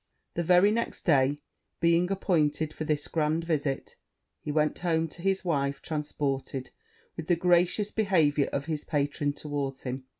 The very next day being appointed for this grand visit, he went home to his wife, transported with the gracious behaviour of his patron towards him.